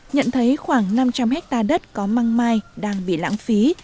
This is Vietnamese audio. nhận thấy khoảng năm trăm linh hectare đất có măng mai đang bị lãng phí